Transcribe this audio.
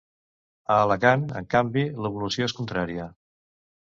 A Alacant, en canvi, l’evolució és contrària.